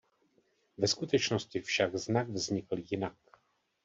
Ve skutečnosti však znak vznikl jinak.